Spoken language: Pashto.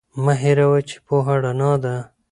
مه هیروئ چې پوهه رڼا ده.